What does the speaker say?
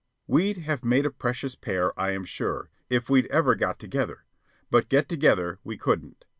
We'd have made a precious pair, I am sure, if we'd ever got together; but get together we couldn't.